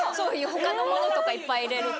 他のものとかいっぱい入れると。